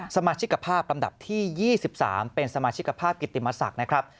สมาชิกภาพลำดับที่๒๓เป็นสมาชิกภาพกิติมศักดิ์นะครับ